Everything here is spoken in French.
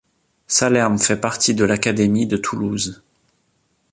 Salerm fait partie de l'académie de Toulouse.